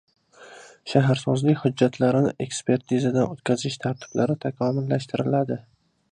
Shaharsozlik hujjatlarini ekspertizadan o‘tkazish tartiblari takomillashtiriladi